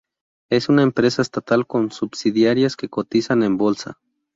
Es una empresa estatal con subsidiarias que cotizan en bolsa.